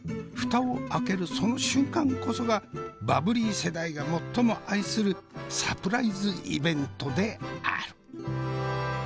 蓋を開けるその瞬間こそがバブリー世代が最も愛するサプライズイベントである。